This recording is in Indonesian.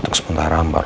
untuk sementara mbak